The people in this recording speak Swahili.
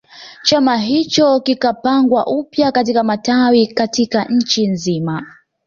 Chama hicho kikapangwa upya katika matawi katika nchi nzima